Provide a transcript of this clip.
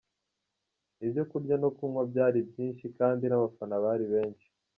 Ibyo kurya no kunywa byari byinshi kandi n'abafana bari benshi.